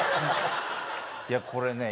いやこれね